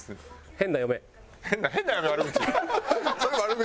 「変な嫁」は悪口。